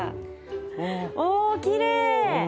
おきれい！